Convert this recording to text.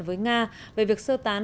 với nga về việc sơ tán